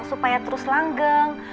supaya terus langgeng